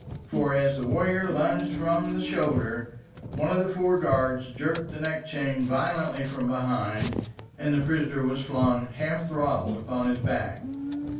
For as the warrior lunged from the shoulder, one of the four guards jerked the neck chain violently from behind, and the prisoner was flung, half throttled, upon his back.